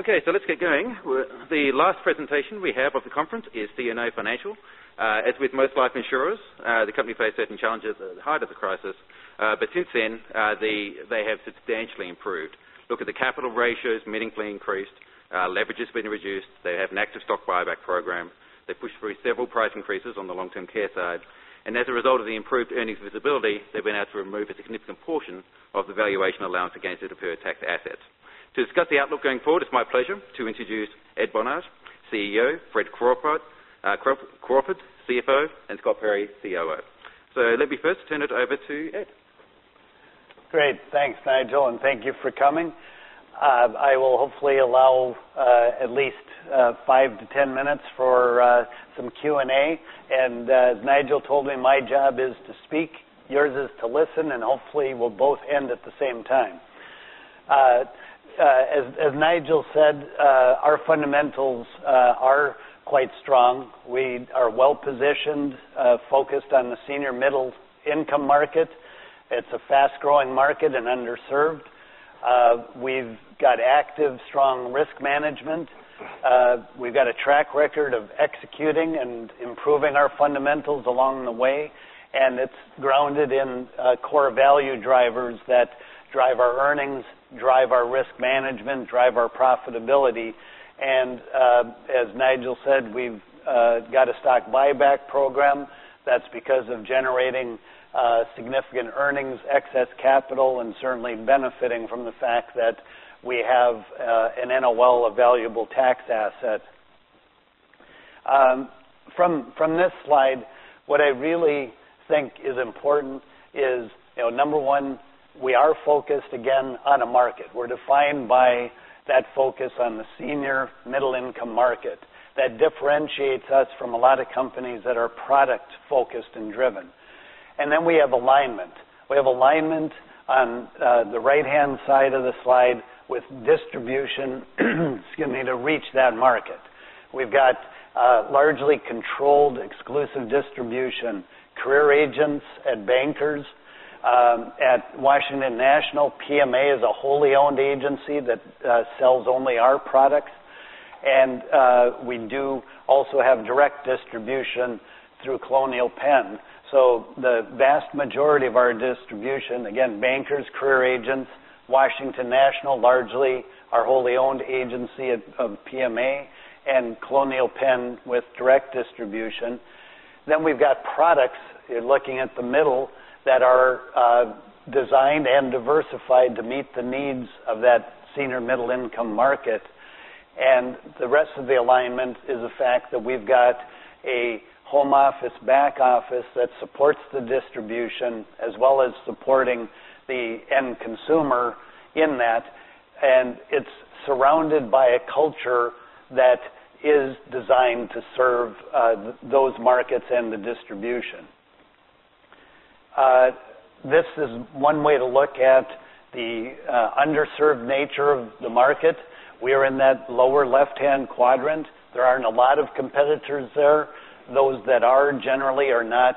Okay, let's get going. The last presentation we have of the conference is CNO Financial. As with most life insurers, the company faced certain challenges at the height of the crisis. Since then, they have substantially improved. Look at the capital ratios meaningfully increased. Leverage has been reduced. They have an active stock buyback program. They pushed through several price increases on the long-term care side. As a result of the improved earnings visibility, they've been able to remove a significant portion of the valuation allowance against the deferred tax assets. To discuss the outlook going forward, it's my pleasure to introduce Ed Bonach, CEO, Fred Crawford, CFO, and Scott Perry, COO. Let me first turn it over to Ed. Great. Thanks, Nigel, and thank you for coming. I will hopefully allow at least 5-10 minutes for some Q&A. As Nigel told me, my job is to speak, yours is to listen, and hopefully we'll both end at the same time. As Nigel said, our fundamentals are quite strong. We are well-positioned, focused on the senior middle income market. It's a fast-growing market and underserved. We've got active, strong risk management. We've got a track record of executing and improving our fundamentals along the way, and it's grounded in core value drivers that drive our earnings, drive our risk management, drive our profitability. As Nigel said, we've got a stock buyback program that's because of generating significant earnings, excess capital, and certainly benefiting from the fact that we have an NOL, a valuable tax asset. From this slide, what I really think is important is number one, we are focused again on a market. We're defined by that focus on the senior middle income market. That differentiates us from a lot of companies that are product focused and driven. We have alignment. We have alignment on the right-hand side of the slide with distribution, excuse me, to reach that market. We've got largely controlled exclusive distribution, Career Agents at Bankers. At Washington National, PMA is a wholly owned agency that sells only our products. We do also have direct distribution through Colonial Penn. The vast majority of our distribution, again, Bankers, Career Agents, Washington National, largely our wholly owned agency of PMA, and Colonial Penn with direct distribution. We've got products, looking at the middle, that are designed and diversified to meet the needs of that senior middle income market. The rest of the alignment is the fact that we've got a home office back office that supports the distribution as well as supporting the end consumer in that, and it's surrounded by a culture that is designed to serve those markets and the distribution. This is one way to look at the underserved nature of the market. We are in that lower left-hand quadrant. There aren't a lot of competitors there. Those that are generally are not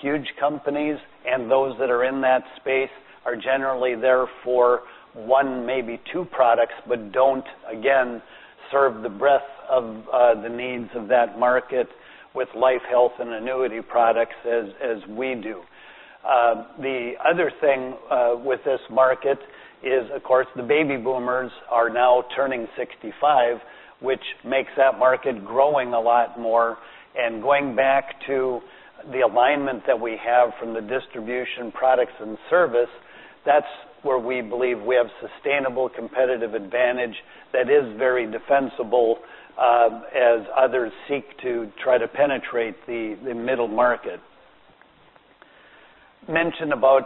huge companies, and those that are in that space are generally there for one, maybe two products, but don't, again, serve the breadth of the needs of that market with life, health, and annuity products as we do. The other thing with this market is, of course, the baby boomers are now turning 65, which makes that market growing a lot more. Going back to the alignment that we have from the distribution products and service, that's where we believe we have sustainable competitive advantage that is very defensible as others seek to try to penetrate the middle market. Mentioned about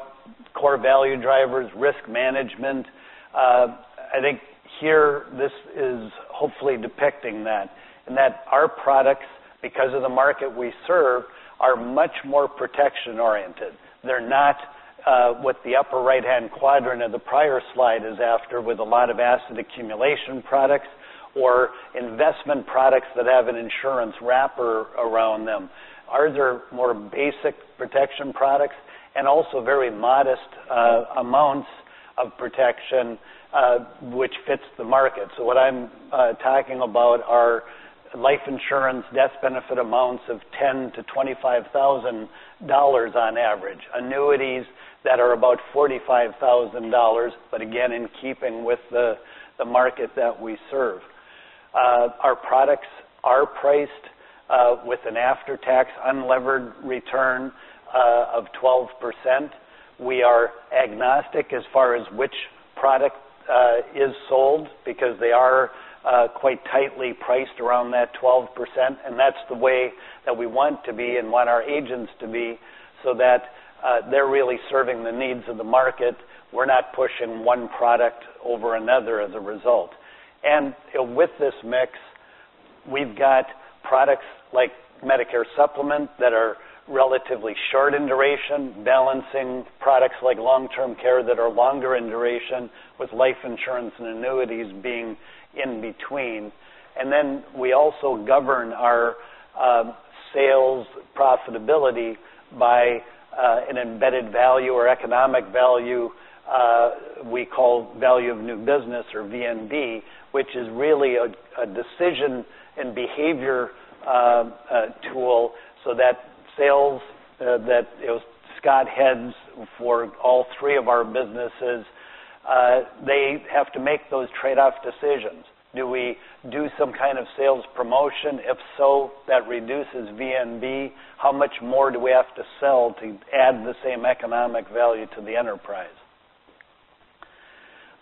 core value drivers, risk management. I think here this is hopefully depicting that, in that our products, because of the market we serve, are much more protection oriented. They're not what the upper right-hand quadrant of the prior slide is after with a lot of asset accumulation products or investment products that have an insurance wrapper around them. Ours are more basic protection products and also very modest amounts of protection, which fits the market. What I'm talking about are life insurance death benefit amounts of $10,000-$25,000 on average. Annuities that are about $45,000, but again, in keeping with the market that we serve. Our products are priced with an after-tax unlevered return of 12%. We are agnostic as far as which product is sold because they are quite tightly priced around that 12%, and that's the way that we want to be and want our agents to be so that they're really serving the needs of the market. We're not pushing one product over another as a result. With this mix, we've got products like Medicare Supplement that are relatively short in duration, balancing products like long-term care that are longer in duration, with life insurance and annuities being in between. We also govern our sales profitability by an embedded value or economic value. We call Value of New Business or VNB, which is really a decision and behavior tool so that sales that Scott heads for all three of our businesses, they have to make those trade-off decisions. Do we do some kind of sales promotion? If so, that reduces VNB. How much more do we have to sell to add the same economic value to the enterprise?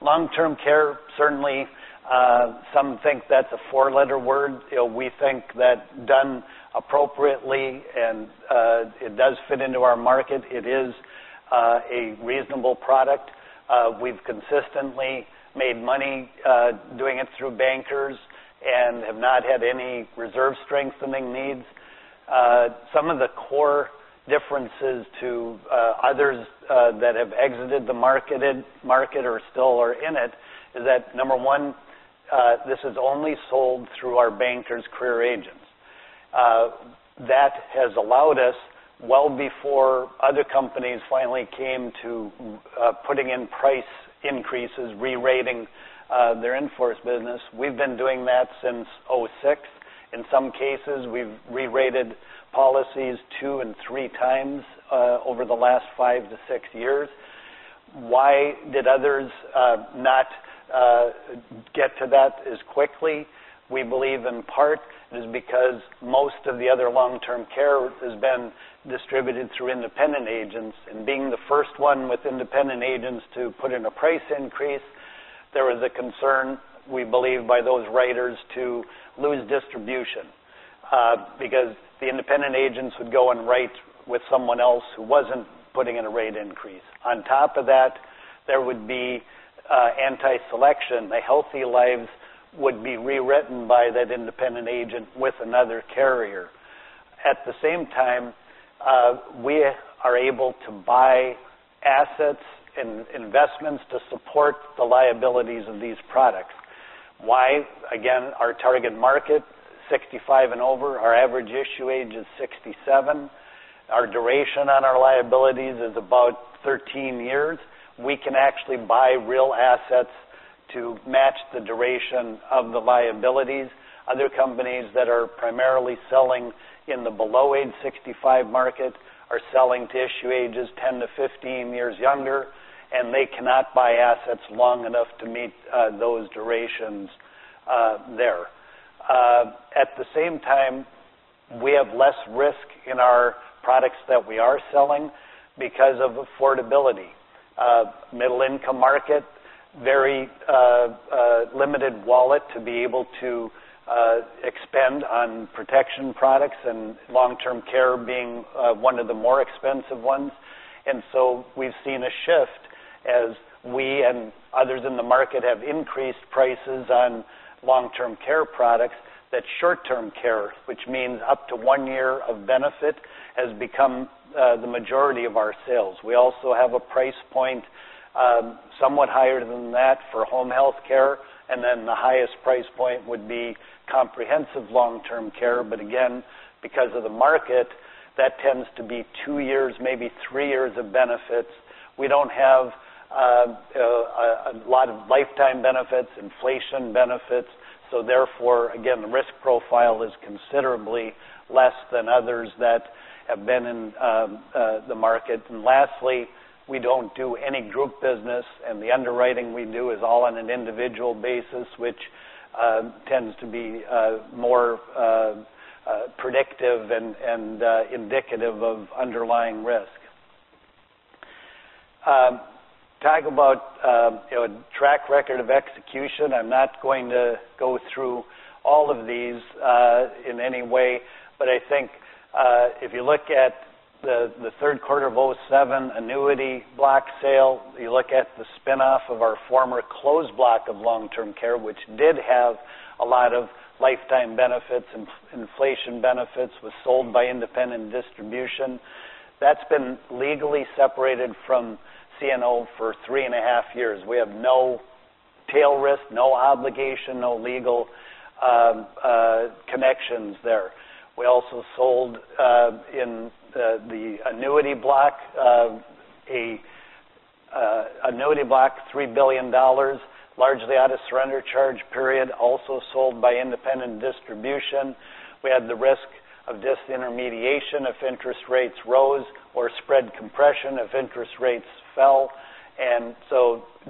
Long-term care, certainly, some think that's a four-letter word. We think that done appropriately, and it does fit into our market. It is a reasonable product. We've consistently made money doing it through Bankers Life and have not had any reserve strengthening needs. Some of the core differences to others that have exited the market or still are in it is that, number one, this is only sold through our Bankers Life career agents. That has allowed us, well before other companies finally came to putting in price increases, re-rating their in-force business, we've been doing that since 2006. In some cases, we've re-rated policies two and three times over the last five to six years. Why did others not get to that as quickly? We believe in part it is because most of the other long-term care has been distributed through independent agents. Being the first one with independent agents to put in a price increase, there was a concern, we believe, by those writers to lose distribution because the independent agents would go and write with someone else who wasn't putting in a rate increase. On top of that, there would be anti-selection. The healthy lives would be rewritten by that independent agent with another carrier. At the same time, we are able to buy assets and investments to support the liabilities of these products. Why? Again, our target market, 65 and over. Our average issue age is 67. Our duration on our liabilities is about 13 years. We can actually buy real assets to match the duration of the liabilities. Other companies that are primarily selling in the below age 65 market are selling to issue ages 10 to 15 years younger, they cannot buy assets long enough to meet those durations there. At the same time, we have less risk in our products that we are selling because of affordability. Middle income market, very limited wallet to be able to expend on protection products, long-term care being one of the more expensive ones. We've seen a shift as we and others in the market have increased prices on long-term care products that short-term care, which means up to one year of benefit, has become the majority of our sales. We also have a price point somewhat higher than that for home health care, then the highest price point would be comprehensive long-term care. Again, because of the market, that tends to be two years, maybe three years of benefits. We don't have a lot of lifetime benefits, inflation benefits. Therefore, again, the risk profile is considerably less than others that have been in the market. Lastly, we don't do any group business, the underwriting we do is all on an individual basis, which tends to be more predictive and indicative of underlying risk. Talk about track record of execution. I'm not going to go through all of these in any way. I think if you look at the third quarter of 2007 annuity block sale, you look at the spin-off of our former closed block of long-term care, which did have a lot of lifetime benefits and inflation benefits, was sold by independent distribution. That's been legally separated from CNO for three and a half years. We have no tail risk, no obligation, no legal connections there. We also sold in the annuity block, $3 billion, largely out of surrender charge period, also sold by independent distribution. We had the risk of disintermediation if interest rates rose or spread compression if interest rates fell.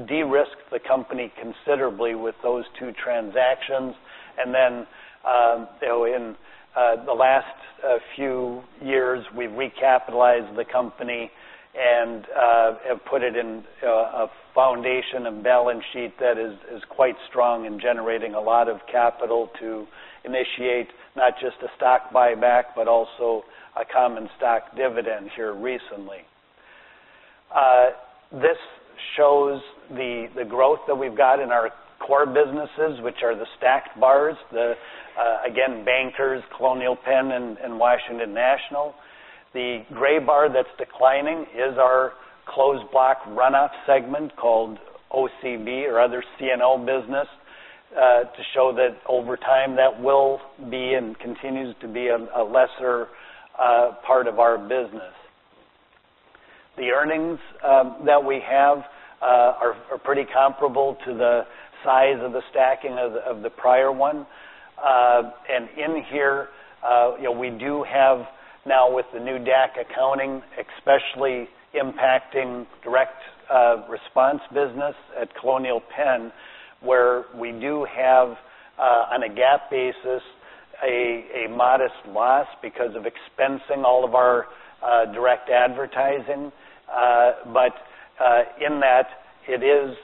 De-risked the company considerably with those two transactions. In the last few years, we've recapitalized the company and have put it in a foundation, a balance sheet that is quite strong and generating a lot of capital to initiate not just a stock buyback but also a common stock dividend here recently. This shows the growth that we've got in our core businesses, which are the stacked bars. Again, Bankers, Colonial Penn, and Washington National. The gray bar that's declining is our closed block runoff segment called OCB or other CNO business. To show that over time, that will be and continues to be a lesser part of our business. The earnings that we have are pretty comparable to the size of the stacking of the prior one. In here, we do have now with the new DAC accounting, especially impacting direct response business at Colonial Penn, where we do have, on a GAAP basis, a modest loss because of expensing all of our direct advertising. In that, it is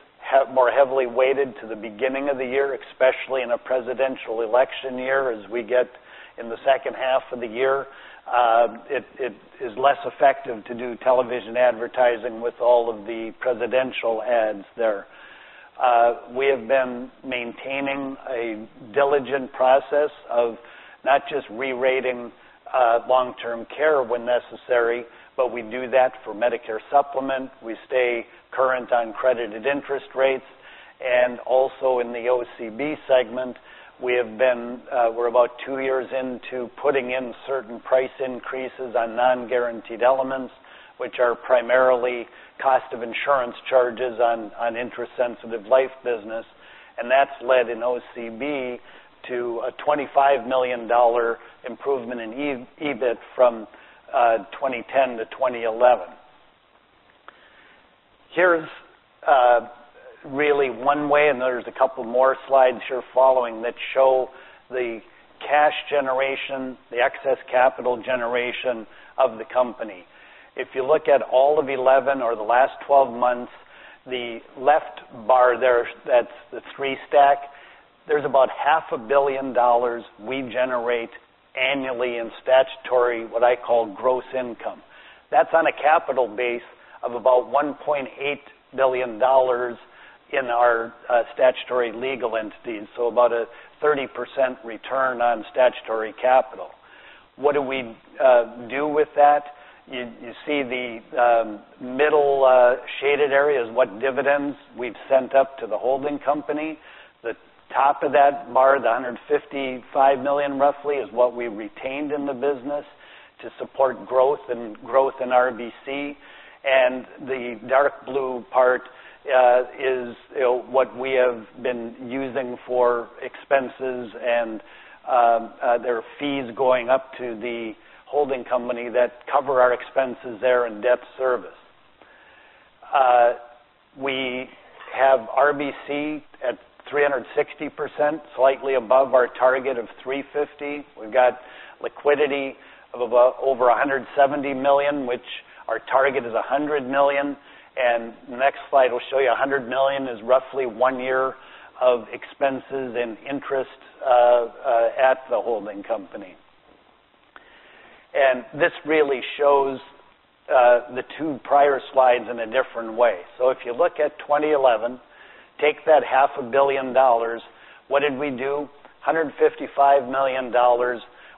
more heavily weighted to the beginning of the year, especially in a presidential election year as we get in the second half of the year. It is less effective to do television advertising with all of the presidential ads there. We have been maintaining a diligent process of not just re-rating long-term care when necessary, but we do that for Medicare Supplement. We stay current on credited interest rates, also in the OCB segment, we're about two years into putting in certain price increases on non-guaranteed elements, which are primarily cost of insurance charges on interest-sensitive life business. That's led an OCB to a $25 million improvement in EBIT from 2010 to 2011. Here's really one way, there's a couple more slides here following that show the cash generation, the excess capital generation of the company. If you look at all of 2011 or the last 12 months, the left bar there, that's the three-stack. There's about half a billion dollars we generate annually in statutory, what I call, gross income. That's on a capital base of about $1.8 billion in our statutory legal entity, so about a 30% return on statutory capital. What do we do with that? You see the middle shaded area is what dividends we've sent up to the holding company. The top of that bar, the $155 million, roughly, is what we retained in the business to support growth and growth in RBC. The dark blue part is what we have been using for expenses, there are fees going up to the holding company that cover our expenses there in debt service. We have RBC at 360%, slightly above our target of 350. We've got liquidity of about over $170 million, which our target is $100 million. Next slide will show you $100 million is roughly one year of expenses and interest at the holding company. This really shows the two prior slides in a different way. If you look at 2011, take that half a billion dollars. What did we do? $155 million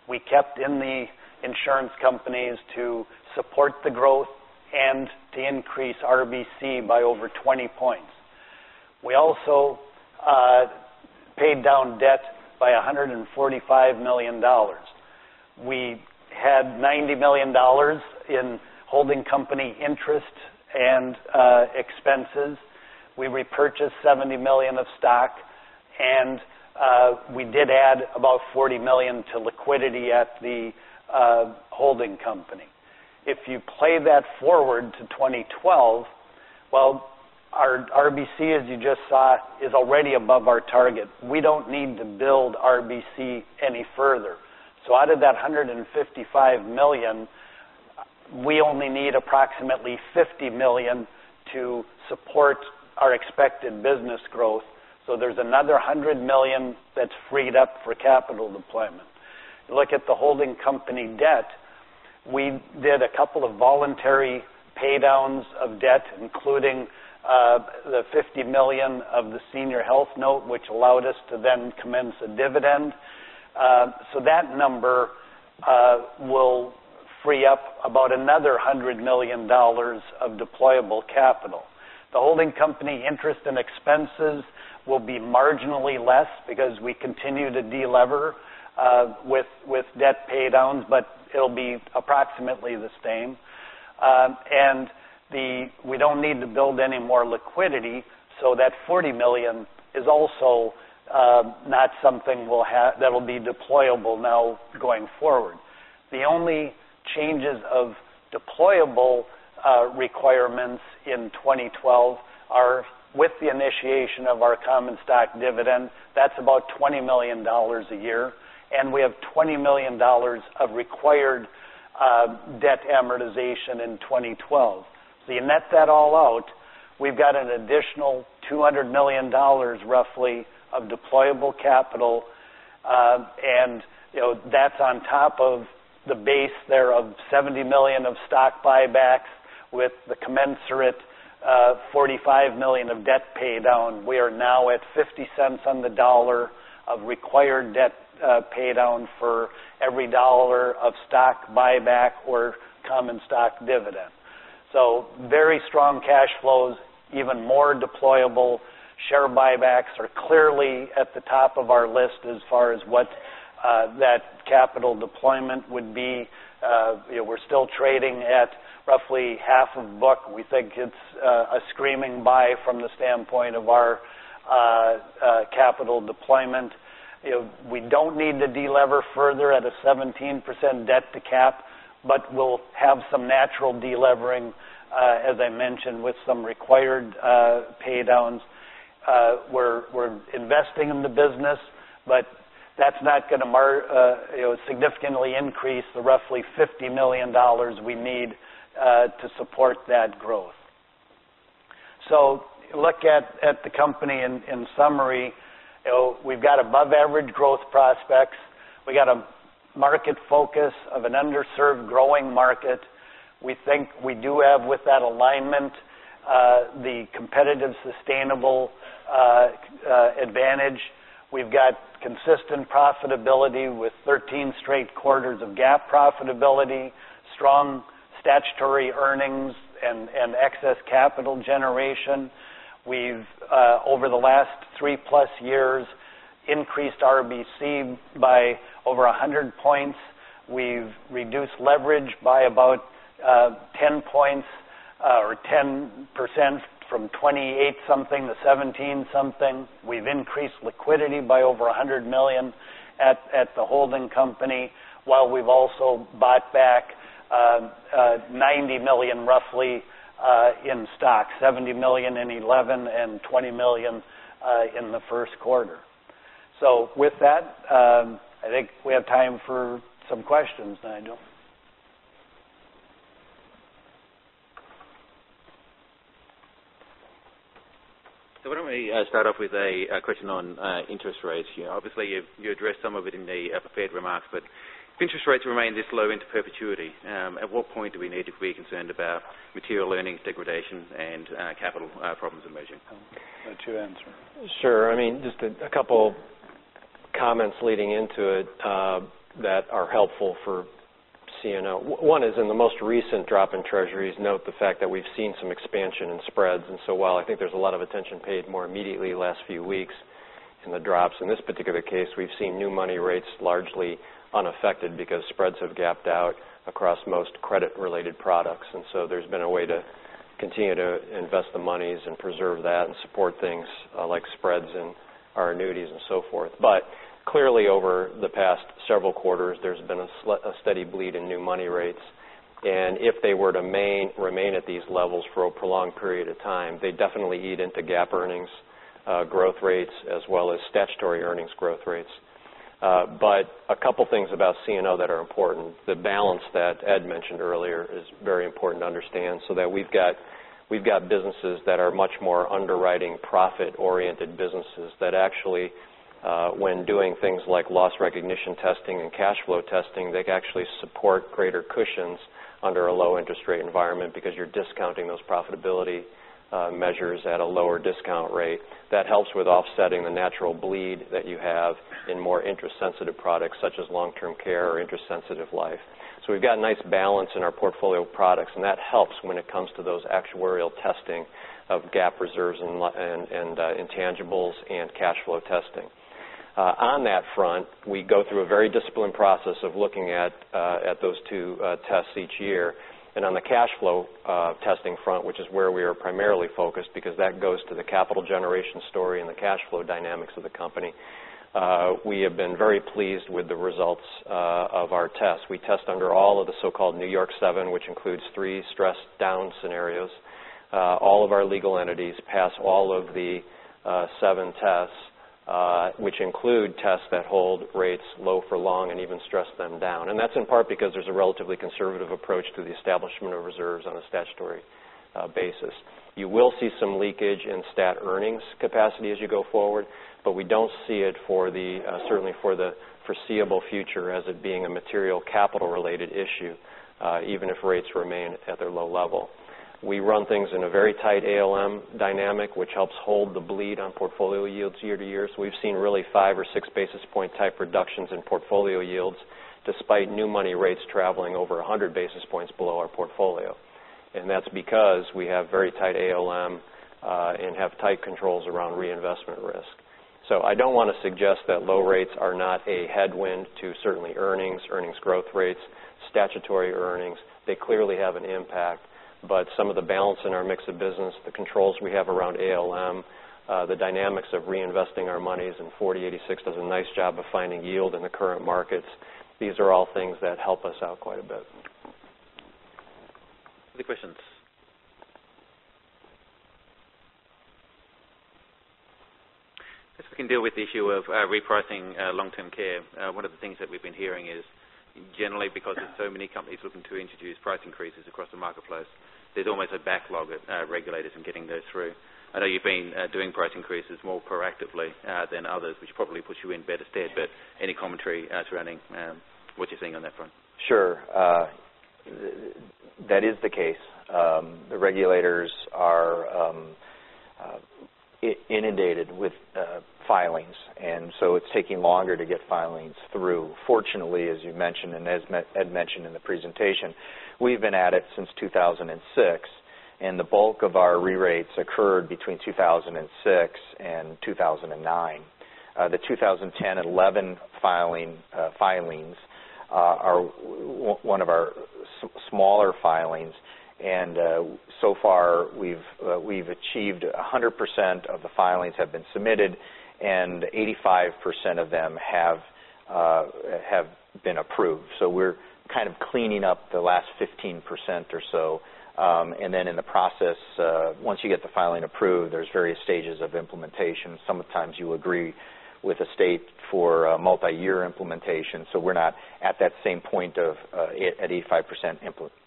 we kept in the insurance companies to support the growth and to increase RBC by over 20 points. We also paid down debt by $145 million. We had $90 million in holding company interest and expenses. We repurchased $70 million of stock, we did add about $40 million to liquidity at the holding company. If you play that forward to 2012, our RBC, as you just saw, is already above our target. We don't need to build RBC any further. Out of that $155 million, we only need approximately $50 million to support our expected business growth. There's another $100 million that's freed up for capital deployment. You look at the holding company debt, we did a couple of voluntary paydowns of debt, including the $50 million of the senior health note, which allowed us to then commence a dividend. That number will free up about another $100 million of deployable capital. The holding company interest and expenses will be marginally less because we continue to de-lever with debt paydowns, but it'll be approximately the same. We don't need to build any more liquidity, that $40 million is also not something that'll be deployable now going forward. The only changes of deployable requirements in 2012 are with the initiation of our common stock dividend. That's about $20 million a year, we have $20 million of required debt amortization in 2012. You net that all out, we've got an additional $200 million, roughly, of deployable capital. That's on top of the base there of $70 million of stock buybacks with the commensurate $45 million of debt paydown. We are now at $0.50 on the dollar of required debt paydown for every dollar of stock buyback or common stock dividend. Very strong cash flows, even more deployable. Share buybacks are clearly at the top of our list as far as what that capital deployment would be. We're still trading at roughly half a book. We think it's a screaming buy from the standpoint of our capital deployment. We don't need to de-lever further at a 17% debt to cap, but we'll have some natural de-levering, as I mentioned, with some required pay-downs. We're investing in the business, but that's not going to significantly increase the roughly $50 million we need to support that growth. Look at the company in summary. We've got above-average growth prospects. We got a market focus of an underserved growing market. We think we do have, with that alignment, the competitive sustainable advantage. We've got consistent profitability with 13 straight quarters of GAAP profitability, strong statutory earnings, and excess capital generation. We've, over the last three-plus years, increased RBC by over 100 points. We've reduced leverage by about 10 points or 10% from 28-something to 17-something. We've increased liquidity by over $100 million at the holding company, while we've also bought back $90 million, roughly, in stock, $70 million in 2011 and $20 million in the first quarter. With that, I think we have time for some questions, Nigel. Why don't we start off with a question on interest rates? Obviously, you addressed some of it in the prepared remarks, but if interest rates remain this low into perpetuity, at what point do we need to be concerned about material earnings degradation and capital problems emerging? I'll let you answer. Sure. Just a couple of comments leading into it that are helpful for CNO. One is in the most recent drop in treasuries, note the fact that we've seen some expansion in spreads. While I think there's a lot of attention paid more immediately the last few weeks in the drops, in this particular case, we've seen new money rates largely unaffected because spreads have gapped out across most credit-related products. There's been a way to continue to invest the monies and preserve that and support things like spreads in our annuities and so forth. Clearly, over the past several quarters, there's been a steady bleed in new money rates, and if they were to remain at these levels for a prolonged period of time, they definitely eat into GAAP earnings growth rates as well as statutory earnings growth rates. A couple of things about CNO that are important. The balance that Ed mentioned earlier is very important to understand, so that we've got businesses that are much more underwriting profit-oriented businesses that actually, when doing things like loss recognition testing and cash flow testing, they actually support greater cushions under a low-interest rate environment because you're discounting those profitability measures at a lower discount rate. That helps with offsetting the natural bleed that you have in more interest-sensitive products, such as long-term care or interest-sensitive life. We've got a nice balance in our portfolio of products, and that helps when it comes to those actuarial testing of GAAP reserves and intangibles and cash flow testing. On that front, we go through a very disciplined process of looking at those two tests each year. On the cash flow testing front, which is where we are primarily focused because that goes to the capital generation story and the cash flow dynamics of the company, we have been very pleased with the results of our tests. We test under all of the so-called New York seven, which includes three stress down scenarios. All of our legal entities pass all of the seven tests, which include tests that hold rates low for long and even stress them down. That's in part because there's a relatively conservative approach to the establishment of reserves on a statutory basis. You will see some leakage in stat earnings capacity as you go forward, we don't see it certainly for the foreseeable future as it being a material capital-related issue, even if rates remain at their low level. We run things in a very tight ALM dynamic, which helps hold the bleed on portfolio yields year to year. We've seen really five or six basis point type reductions in portfolio yields, despite new money rates traveling over 100 basis points below our portfolio. That's because we have very tight ALM and have tight controls around reinvestment risk. I don't want to suggest that low rates are not a headwind to certainly earnings growth rates, statutory earnings. They clearly have an impact. Some of the balance in our mix of business, the controls we have around ALM, the dynamics of reinvesting our monies in 4086 does a nice job of finding yield in the current markets. These are all things that help us out quite a bit. Other questions. If we can deal with the issue of repricing long-term care. One of the things that we've been hearing is generally because there's so many companies looking to introduce price increases across the marketplace, there's almost a backlog at regulators in getting those through. I know you've been doing price increases more proactively than others, which probably puts you in better stead. Any commentary surrounding what you're seeing on that front? Sure. That is the case. The regulators are inundated with filings. It's taking longer to get filings through. Fortunately, as you mentioned, and as Ed mentioned in the presentation, we've been at it since 2006. The bulk of our re-rates occurred between 2006 and 2009. The 2010 and 2011 filings are one of our smaller filings. So far, we've achieved 100% of the filings have been submitted, and 85% of them have been approved. We're kind of cleaning up the last 15% or so. In the process, once you get the filing approved, there's various stages of implementation. Sometimes you agree with the state for a multi-year implementation. We're not at that same point of at 85% implementation,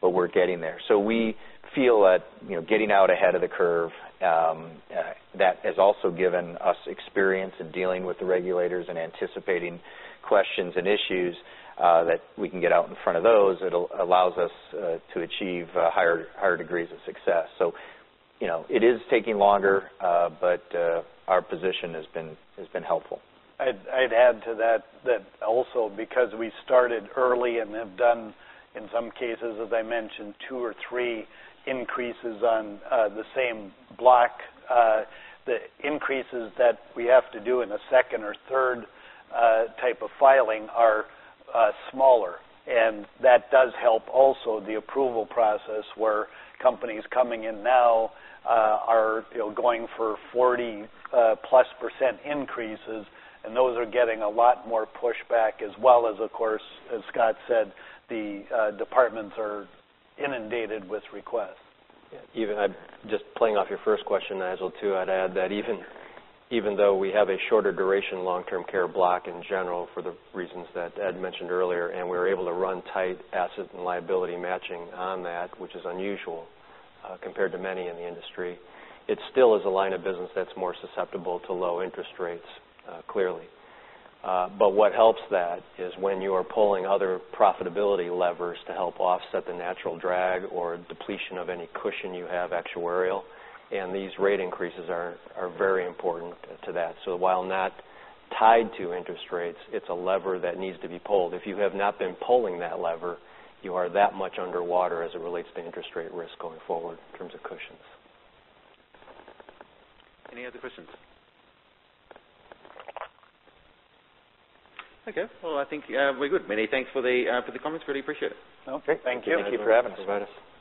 but we're getting there. We feel that getting out ahead of the curve, that has also given us experience in dealing with the regulators and anticipating questions and issues that we can get out in front of those. It allows us to achieve higher degrees of success. It is taking longer, but our position has been helpful. I'd add to that also because we started early and have done, in some cases, as I mentioned, two or three increases on the same block, the increases that we have to do in a second or third type of filing are smaller. That does help also the approval process where companies coming in now are going for 40+% increases, and those are getting a lot more pushback, as well as, of course, as Scott said, the departments are inundated with requests. Even, just playing off your first question, Nigel, too, I'd add that even though we have a shorter duration long-term care block in general, for the reasons that Ed mentioned earlier, and we were able to run tight asset and liability matching on that, which is unusual compared to many in the industry, it still is a line of business that's more susceptible to low interest rates, clearly. What helps that is when you are pulling other profitability levers to help offset the natural drag or depletion of any cushion you have actuarial, and these rate increases are very important to that. While not tied to interest rates, it's a lever that needs to be pulled. If you have not been pulling that lever, you are that much underwater as it relates to interest rate risk going forward in terms of cushions. Any other questions? Okay. Well, I think we're good. Many thanks for the comments. Really appreciate it. Okay. Thank you. Thank you for having us. Thanks for inviting us.